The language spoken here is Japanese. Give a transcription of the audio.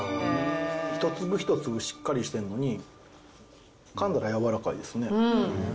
一粒一粒しっかりしてるのに、かんだら柔らかいですね。